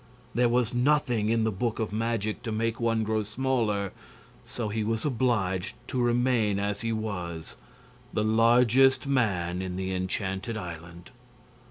There was nothing in the book of magic to make one grow smaller, so he was obliged to remain as he was the largest man in the Enchanted Island.